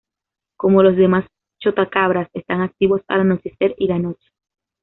Como los demás chotacabras están activos al anochecer y la noche.